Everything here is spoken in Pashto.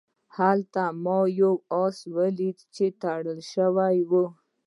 هلته ما یو آس ولید چې تړل شوی و.